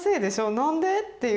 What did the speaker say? なんで？」っていう。